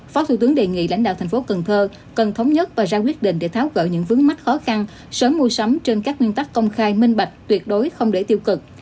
phó thủ tướng đề nghị lãnh đạo thành phố cần thơ cần thống nhất và ra quyết định để tháo gỡ những vướng mắt khó khăn sớm mua sắm trên các nguyên tắc công khai minh bạch tuyệt đối không để tiêu cực